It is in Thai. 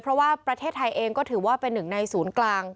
เพราะว่าประเทศไทยเองก็ถือว่าเป็นหนึ่งในศูนย์กลาง